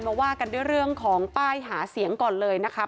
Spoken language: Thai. ว่ากันด้วยเรื่องของป้ายหาเสียงก่อนเลยนะคะ